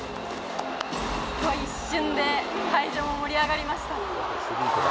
一瞬で会場も盛り上がりました。